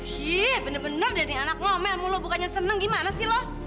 hi bener bener dari anak ngomel mulu bukannya senang gimana sih lo